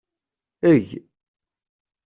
Eg.